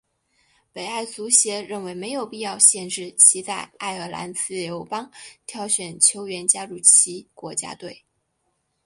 北爱足协认为没有必要限制其在爱尔兰自由邦挑选球员加入其国家队。